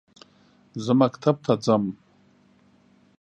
زه مکتب ته زمه